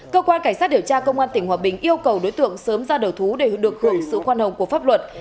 cơ quan cảnh sát điều tra công an tỉnh hòa bình yêu cầu đối tượng sớm ra đầu thú để được hưởng sự khoan hồng của pháp luật